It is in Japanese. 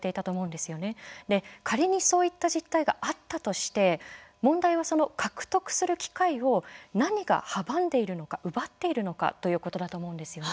で、仮にそういった実態があったとして問題は、その獲得する機会を何が阻んでいるのか奪っているのかということだと思うんですよね。